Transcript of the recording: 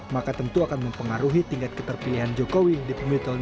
maka tentu akan mempengaruhi tingkat keterpilihan jokowi